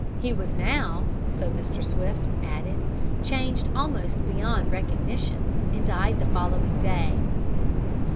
He was now, so Mr. Swifte added, changed almost beyond recognition, and died the following day.